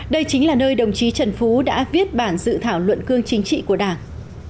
đây chính là nơi đồng chí trần phú đã viết bản dự thảo luận cương chính trị của đảng